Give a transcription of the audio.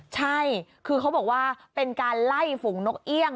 ใช่คือเขาบอกว่าเป็นการไล่ฝูงนกเอี่ยง